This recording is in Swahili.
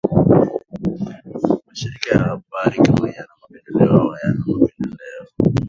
Mashirika ya habari kama yana mapendeleo au hayana mapenmdeleo